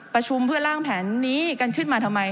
ประชุมเพื่อล่างแผนนี้กันขึ้นมาทำไม